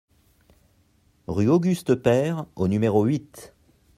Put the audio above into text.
Rue Auguste Peyre au numéro huit